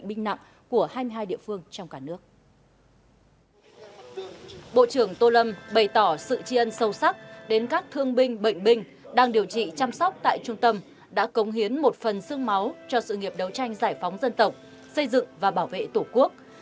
bộ trưởng tô lâm bày tỏ sự tri ân sâu sắc đến các thương binh bệnh binh đang điều trị chăm sóc tại trung tâm đã cống hiến một phần sương máu cho sự nghiệp đấu tranh giải phóng dân tộc xây dựng và bảo vệ tổ quốc